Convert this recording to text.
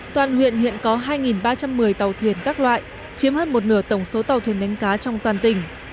toàn huyện hiện có hai ba trăm một mươi tàu thuyền các loại chiếm hơn một nửa tổng số tàu thuyền đánh cá trong toàn tỉnh